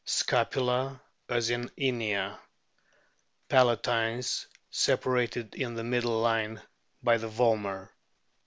Scapula as in Inia. Palatines separated in the middle line by the vomer.